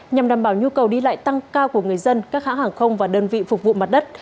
nhằm đảm bảo nhu cầu đi lại tăng cao của người dân các hãng hàng không và đơn vị phục vụ mặt đất